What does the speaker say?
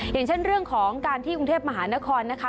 อย่างเช่นเรื่องของการที่กรุงเทพมหานครนะคะ